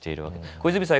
小泉さん